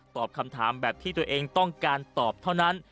ตอบคำถามแบบที่ตัวเองต้องการตอบเท่านั้น